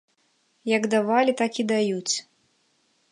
Як давалі, так і даюць.